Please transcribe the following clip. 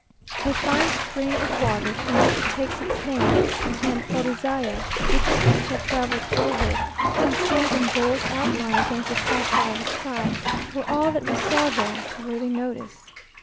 A fine spring of water from which it takes its name, and Orizaya, which seems to have travelled forward, and stands in bold outline against the sapphire sky, were all that we saw there worthy notice.